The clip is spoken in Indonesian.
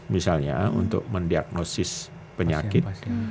misalnya untuk mendiagnosis penyakit